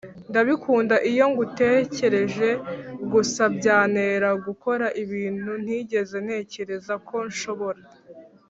ndabikunda iyo ngutekereje gusa byantera gukora ibintu ntigeze ntekereza ko nshobora.